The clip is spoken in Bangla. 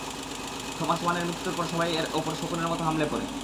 থমাস ওয়েনের মৃত্যুর পরে সবাই এর ওপর শকুনের মতো হামলে পড়ে।